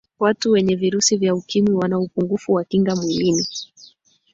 Watu wenye virusi vya ukimwi wana upungufu wa kinga mwilini